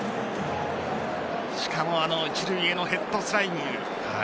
しかも一塁へのヘッドスライディング。